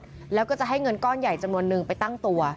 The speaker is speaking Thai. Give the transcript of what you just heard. แล้วก็จะให้เงินก้อนใหญ่จำนวนนึงไปตั้งตัว